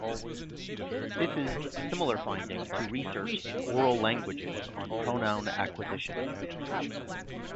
This is a similar finding to research in oral languages on pronoun acquisition.